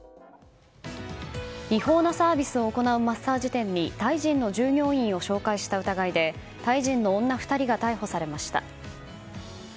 違法なサービスを行うマッサージ店にタイ人の従業員を紹介した疑いでタイ人の女２人が逮捕されました。